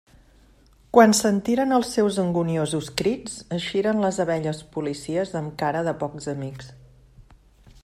Quan sentiren els seus anguniosos crits, eixiren les abelles policies amb cara de pocs amics.